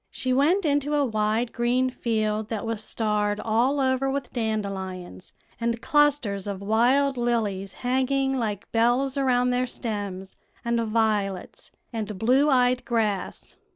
She went into a wide green field that was starred all over with dandelions, and clusters of wild lilies hanging like bells around their stems, and violets, and blue eyed grass.